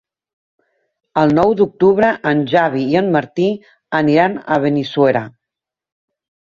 El nou d'octubre en Xavi i en Martí aniran a Benissuera.